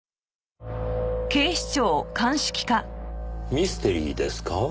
ミステリーですか？